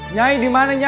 nyai dimana nyai